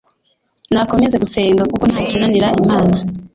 nakomeze gusenga kuk ntakinanira imana